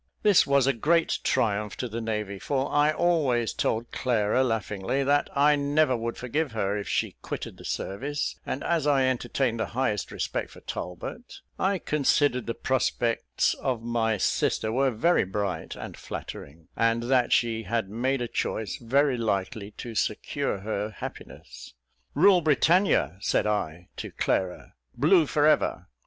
This was a great triumph to the navy, for I always told Clara, laughingly, that I never would forgive her if she quitted the service; and as I entertained the highest respect for Talbot, I considered the prospects of my sister were very bright and flattering, and that she had made a choice very likely to secure her happiness. "Rule Britannia," said I to Clara; "Blue for ever!"